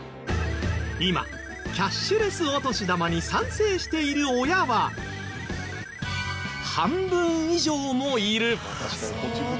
今キャッシュレスお年玉に賛成している親は半分以上もいる。